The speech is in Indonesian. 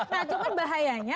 nah cuman bahayanya